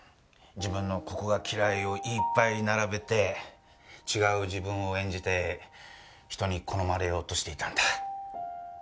自分のここが嫌いをいっぱい並べて違う自分を演じて人に好まれようとしていたんだ。